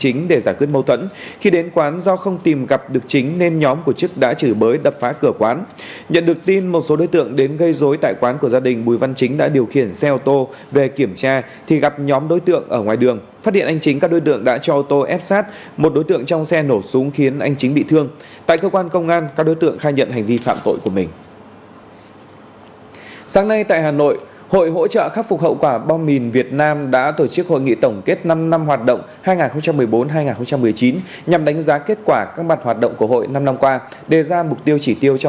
hội hỗ trợ khắc phục hậu quả bom mìn việt nam đã thành lập một mươi bảy trí hội với một năm trăm linh hội viên ở các tỉnh thành phố trong cả nước